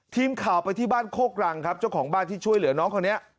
ทีมข่าวไปที่บ้านโคกรังครับเจ้าของบ้านที่ช่วยเหลือน้องคนนี้